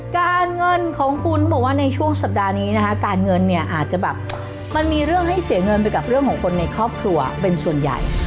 การเงินของคุณเขาบอกว่าในช่วงสัปดาห์นี้นะคะการเงินเนี่ยอาจจะแบบมันมีเรื่องให้เสียเงินไปกับเรื่องของคนในครอบครัวเป็นส่วนใหญ่